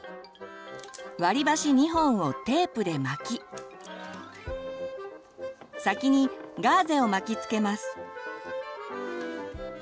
割り箸２本をテープで巻き先にガーゼを巻きつけます。